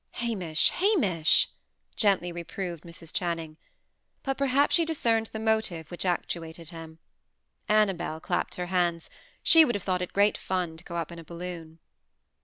"Hamish! Hamish!" gently reproved Mrs. Channing. But perhaps she discerned the motive which actuated him. Annabel clapped her hands. She would have thought it great fun to go up in a balloon.